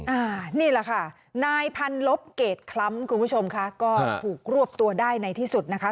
อ่านี่แหละค่ะนายพันลบเกรดคล้ำคุณผู้ชมค่ะก็ถูกรวบตัวได้ในที่สุดนะคะ